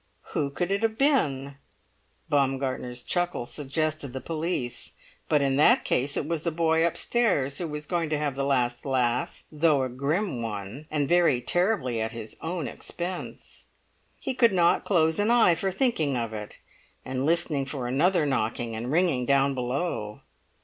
Who could it have been? Baumgartner's chuckle suggested the police; but in that case it was the boy upstairs who was going to have the last laugh, though a grim one, and very terribly at his own expense. He could not close an eye for thinking of it, and listening for another knocking and ringing down below.